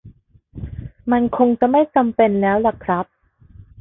มันคงจะไม่จำเป็นแล้วล่ะครับ